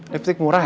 lipstick murah ya